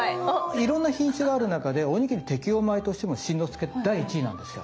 いろんな品種がある中でおにぎり適用米としても新之助第１位なんですよ。